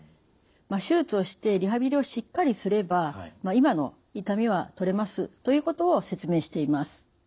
手術をしてリハビリをしっかりすれば今の痛みはとれますということを説明しています。